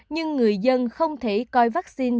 nhưng người dân không thể coi vaccine